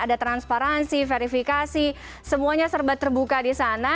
ada transparansi verifikasi semuanya serba terbuka di sana